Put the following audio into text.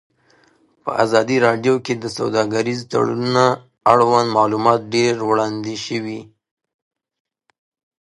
په ازادي راډیو کې د سوداګریز تړونونه اړوند معلومات ډېر وړاندې شوي.